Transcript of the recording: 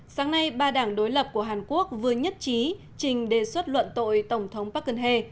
sáng nay ba đảng đối lập của hàn quốc vừa nhất trí trình đề xuất luận tội tổng thống park geun hye